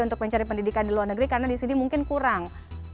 untuk mencari pendidikan di luar negeri karena di sini mungkin kurang